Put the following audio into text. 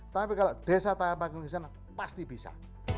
tapi kalau desa tanpa kemiskinan pasti bisa